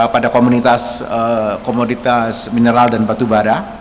pada komunitas komoditas mineral dan batu bara